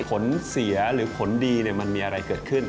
ผลเสียหรือผลดีมันมีอะไรเกิดขึ้น